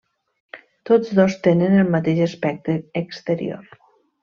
Tots dos tenen el mateix aspecte exterior.